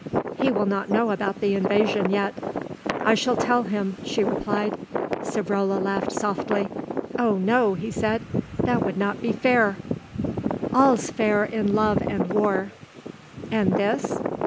"He will not know about the invasion yet." "I shall tell him," she replied. Savrola laughed softly. "Oh no," he said, "that would not be fair." "All's fair in love and war." "And this